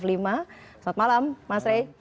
selamat malam mas ray